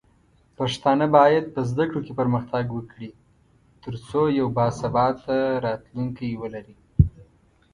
پښتانه بايد په زده کړو کې پرمختګ وکړي، ترڅو یو باثباته راتلونکی ولري.